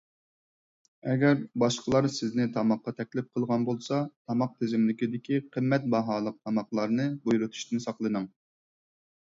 ئەگەر باشقىلار سىزنى تاماققا تەكلىپ قىلغان بولسا، تاماق تىزىملىكىدىكى قىممەت باھالىق تاماقلارنى بۇيرۇتۇشتىن ساقلىنىڭ.